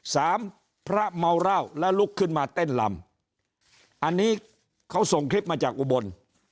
พระเมาเหล้าและลุกขึ้นมาเต้นลำอันนี้เขาส่งคลิปมาจากอุบล